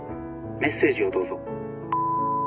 メッセージをどうぞ」。